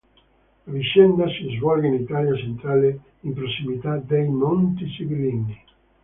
La vicenda si svolge in Italia centrale, in prossimità dei Monti Sibillini.